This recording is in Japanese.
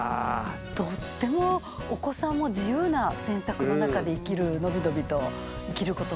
とってもお子さんも自由な選択の中で生きる伸び伸びと生きることもできるし。